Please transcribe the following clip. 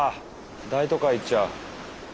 大都会行っちゃう。